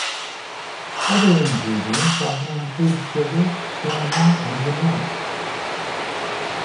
Other ingredients often include sugar, cinnamon, and vanilla.